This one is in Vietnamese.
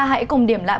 hãy cùng điểm lại